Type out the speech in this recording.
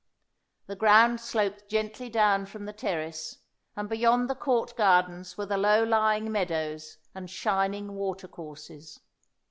The ground sloped gently down from the terrace, and beyond the Court gardens were the low lying meadows and shining watercourses.